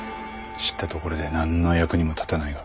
知ったところで何の役にも立たないが。